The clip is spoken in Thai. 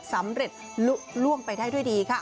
สำเร็จลุล่วงไปได้ด้วยดีค่ะ